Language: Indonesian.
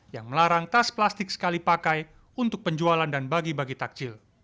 yang melarang tas plastik sekali pakai untuk penjualan dan bagi bagi takjil